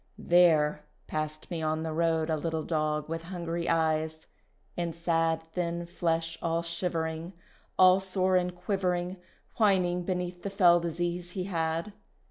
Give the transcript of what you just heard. There passed me on the road A little dog with hungry eyes, and sad Thin flesh all shivering, All sore and quivering, Whining beneath the fell disease he had.